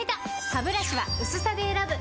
ハブラシは薄さで選ぶ！